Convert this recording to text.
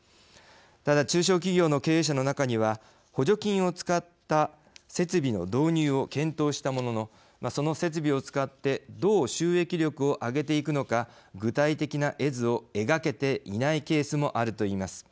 ただ、中小企業の経営者の中には補助金を使った設備の導入を検討したもののその設備を使ってどう収益力を上げていくのか具体的な絵図を描けていないケースもあると言います。